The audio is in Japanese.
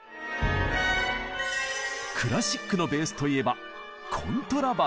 クラシックのベースといえばコントラバス。